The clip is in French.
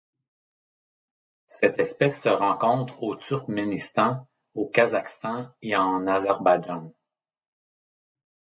Cette espèce se rencontre au Turkménistan, au Kazakhstan et en Azerbaïdjan.